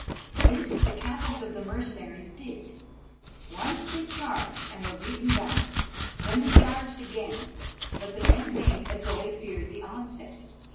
This the Captains of the mercenaries did. Once they charged and were beaten back, then they charged again, but the men made as though they feared the onset.